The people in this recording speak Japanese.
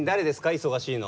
忙しいの。